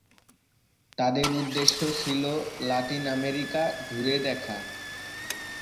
তাঁদের উদ্দেশ্য ছিল লাতিন আমেরিকা ঘুরে দেখা।